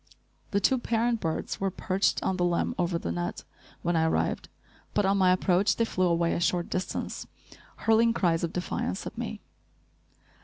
The two parent birds were perched on the limb over the net, when I arrived, but on my approach they flew away a short distance, hurling cries of defiance at me.